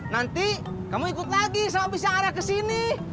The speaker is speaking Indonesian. nanti kamu ikut lagi sama bis yang arah kesini